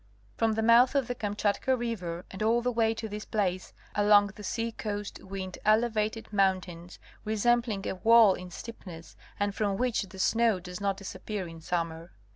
From the mouth of the Kamchatka river and all the way to this place along the seacoast wind elevated mountains, resembling a wall in steepness, and from which the snow does not disappear in summer.